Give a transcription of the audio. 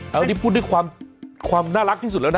อันนี้พูดด้วยความน่ารักที่สุดแล้วนะ